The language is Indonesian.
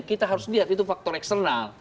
kita harus lihat itu faktor eksternal